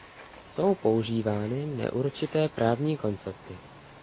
Jsou používány neurčité právní koncepty.